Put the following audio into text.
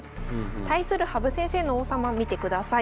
対する羽生先生の王様見てください。